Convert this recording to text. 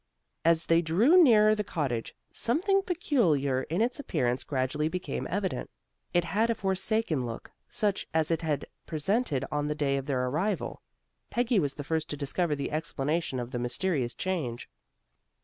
As they drew nearer the cottage, something peculiar in its appearance gradually became evident. It had a forsaken look, such as it had presented on the day of their arrival. Peggy was the first to discover the explanation of the mysterious change.